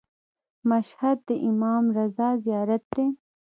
مشهد د امام رضا زیارت دی.